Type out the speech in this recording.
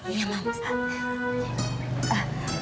iya pak ustadz